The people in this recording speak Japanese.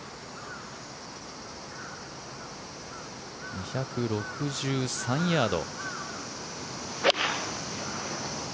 ２６３ヤード。